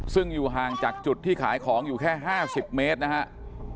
ซึ่งอยู่ห่างจากจุดที่ขายของอยู่แค่๕๐เมตรนะครับ